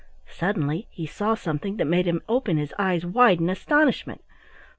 Suddenly he saw something that made him open his eyes wide in astonishment.